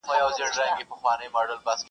نوټ دستوري او پسرلي څخه مي مراد ارواح ښاد,